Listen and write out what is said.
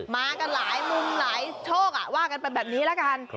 มากันหลายมุมหลายโชคว่ากันไปแบบนี้ละกัน